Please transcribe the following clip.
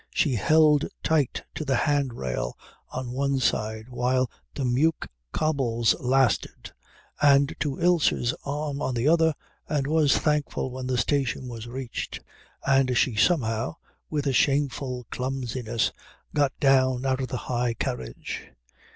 She held tight to the hand rail on one side while the Meuk cobbles lasted and to Ilse's arm on the other, and was thankful when the station was reached and she somehow, with a shameful clumsiness, got down out of the high carriage.